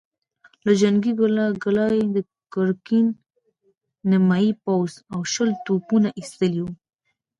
له جنګي کلا يې د ګرګين نيمايي پوځ او شل توپونه ايستلي ول.